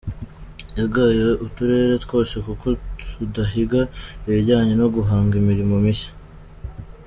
Yagaye uturere twose kuko tudahiga ibijyanye no guhanga imirimo mishya.